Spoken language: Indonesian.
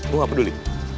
gue gak peduli